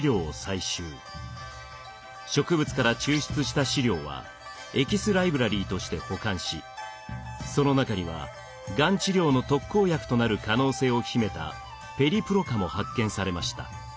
植物から抽出した試料はエキスライブラリーとして保管しその中にはがん治療の特効薬となる可能性を秘めたペリプロカも発見されました。